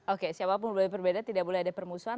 oke siapapun boleh berbeda tidak boleh ada permusuhan